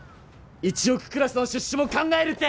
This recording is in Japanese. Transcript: １億クラスの出資も考える」って！